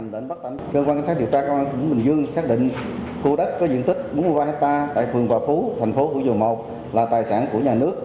tỉnh bắc cản sát điều tra công an tỉnh bình dương xác định khu đất có diện tích bốn mươi ba hectare tại phường hòa phú thành phố thủ dầu một là tài sản của nhà nước